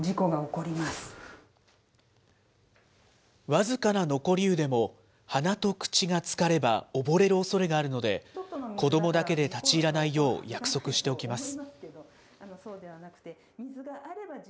僅かな残り湯でも、鼻と口がつかれば溺れるおそれがあるので、子どもだけで立ち入らないよう約束しておきます。